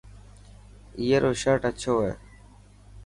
ائرو شرٽ اڇو هي.